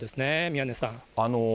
宮根さん。